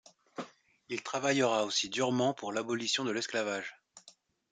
Il travaillera aussi durement pour l'abolition de l'esclavage.